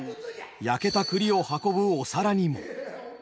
焼けた栗を運ぶお皿にも。